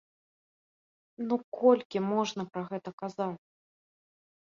Ну колькі можна пра гэта казаць?